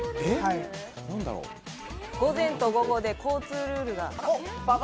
午前と午後で交通ルールが。